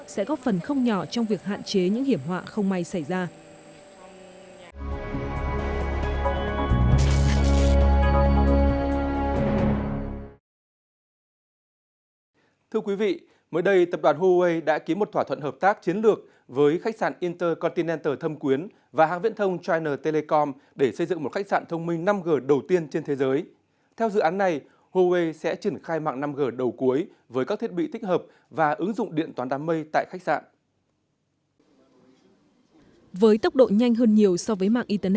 sẽ góp phần không nhỏ trong việc hạn chế những hiểm hoạn không may xảy ra